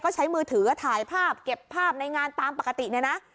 ก็ใช้มือถือถ่ายภาพเก็บภาพในงานตามปกติเนี่ยนะ